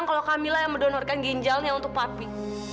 tapi kamu gak tahu siapa yang mendonorkan ginjalnya untuk papi